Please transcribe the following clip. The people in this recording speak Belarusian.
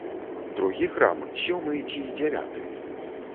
Другі храм, сёмы ці дзявяты?